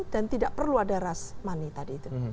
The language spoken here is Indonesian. dan tidak perlu ada rashmani tadi itu